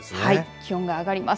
気温が上がります。